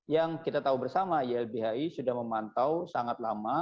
yang kita tahu bersama ylbhi sudah memantau sangat lama